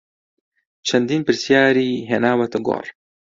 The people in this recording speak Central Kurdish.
چەندین پرسیاری هێناوەتە گۆڕ